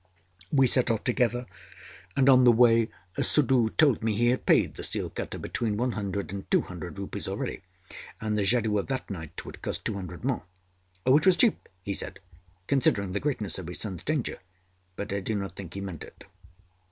We set off together; and on the way Suddhoo told me he had paid the seal cutter between one hundred and two hundred rupees already; and the jadoo of that night would cost two hundred more. Which was cheap, he said, considering the greatness of his son's danger; but I do not think he meant it.